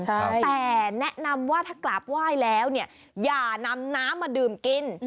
แต่แนะนำว่าถ้ากราบไหว้แล้วเนี่ยอย่านำน้ำมาดื่มกิน